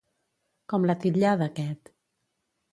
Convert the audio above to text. Com l'ha titllada aquest?